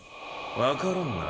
分からんな。